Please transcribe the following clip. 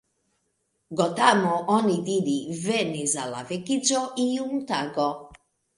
Gotamo onidire venis al la vekiĝo iun tago.